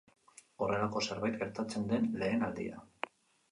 Horrelako zerbait gertatzen den lehen aldia.